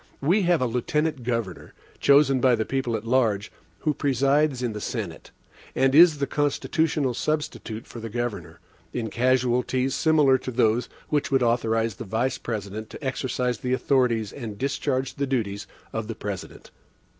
We have a Lieutenant Governor, chosen by the people at large, who presides in the Senate, and is the constitutional substitute for the Governor, in casualties similar to those which would authorize the Vice President to exercise the authorities and discharge the duties of the President.